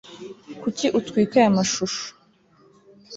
kuki utwika aya mashusho